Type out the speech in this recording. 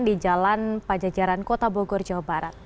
di jalan pajajaran kota bogor jawa barat